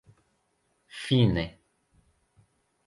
fine